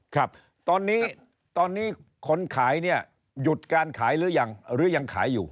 ครับตอนนี้ตอนนี้คนขายเนี่ยหยุดการขายหรือยังหรือยังขายอยู่